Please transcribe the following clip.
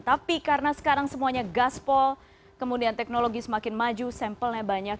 tapi karena sekarang semuanya gaspol kemudian teknologi semakin maju sampelnya banyak